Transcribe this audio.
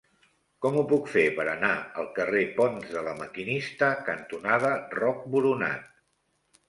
Com ho puc fer per anar al carrer Ponts de La Maquinista cantonada Roc Boronat?